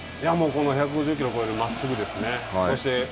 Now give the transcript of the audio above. １５０キロを超える真っすぐですね。